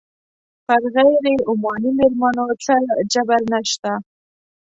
پر غیر عماني مېرمنو څه جبر نه شته.